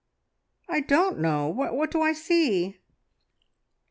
I don't know. ... What do I see?"